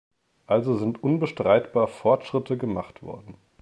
Also sind unbestreitbar Fortschritte gemacht worden.